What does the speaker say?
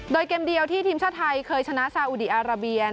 โดยเกมเดียวที่ทีมชาติไทยเคยชนะซาอุดีอาราเบีย